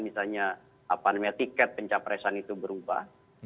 misalnya tiket pencapresan itu berubah